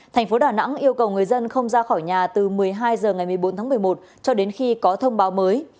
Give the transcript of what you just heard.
thành phố đà nẵng yêu cầu người dân không ra khỏi nhà từ một mươi hai h ngày một mươi bốn tháng một mươi một cho đến khi có thông báo mới